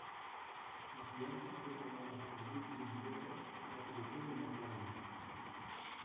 La fianza fue pagada por Virgin Records a petición de McLaren.